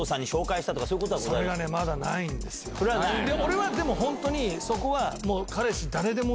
俺はでも本当にそこは。